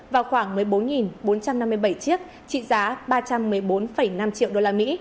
vào khoảng một mươi bốn bốn trăm năm mươi bảy chiếc trị giá ba trăm một mươi bốn năm triệu đô la mỹ